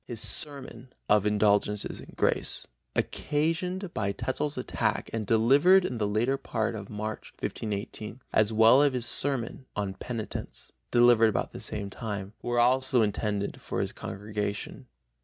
His sermon Of Indulgences and Grace, occasioned by Tetzel's attack and delivered in the latter part of March, 1518, as well as his sermon Of Penitence, delivered about the same time, were also intended for his congregation.